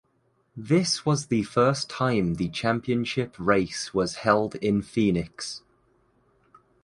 This was the first time the championship race was held in Phoenix.